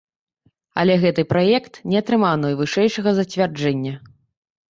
Але гэты праект не атрымаў найвышэйшага зацвярджэння.